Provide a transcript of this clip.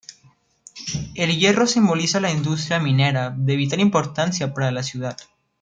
El hierro simboliza la industria minera, de vital importancia para la ciudad.